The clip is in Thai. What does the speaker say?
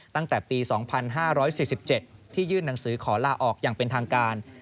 ตั้งแต่ปี๒๕๔๗ที่ยื่นหนังสือขอลาออกอย่างเป็นทางการ